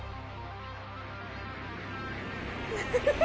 フフフフ！